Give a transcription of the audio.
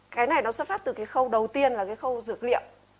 cái này nó xuất phát từ cái khâu đầu tiên là cái khâu dược liệu